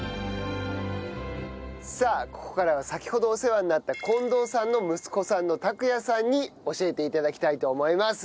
ここからは先ほどお世話になった近藤さんの息子さんの拓也さんに教えて頂きたいと思います。